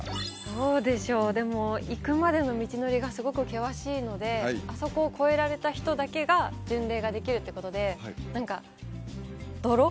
どうでしょうでも行くまでの道のりがすごく険しいのであそこを越えられた人だけが巡礼ができるってことで何か泥？